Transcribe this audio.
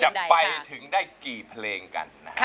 จะไปถึงได้กี่เพลงกันนะฮะ